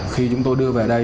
khi chúng tôi đưa về đây